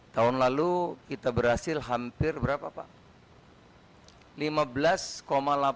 tahun lalu kita berhasil hampir berapa pak